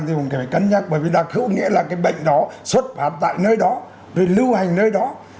tôi cho rằng thì cũng phải cân nhắc bởi vì đặc hữu nghĩa là cái bệnh đó xuất phát tại nơi đó rồi lưu hành nơi đó